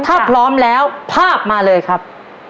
ถ้าพร้อมแล้วภาพมาเลยครับ